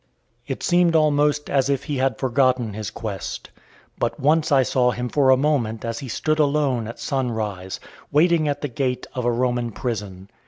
It seemed almost as if he had forgotten his quest. But once I saw him for a moment as he stood alone at sunrise, waiting at the gate of a Roman prison.